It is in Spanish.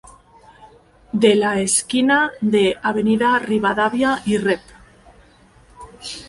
De la esquina de Avda. Rivadavia y Rep.